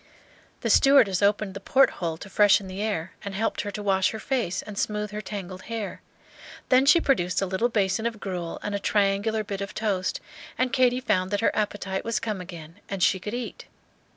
The stewardess opened the port hole to freshen the air, and helped her to wash her face and smooth her tangled hair; then she produced a little basin of gruel and a triangular bit of toast, and Katy found that her appetite was come again and she could eat.